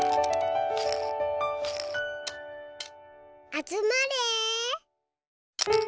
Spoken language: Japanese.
あつまれ。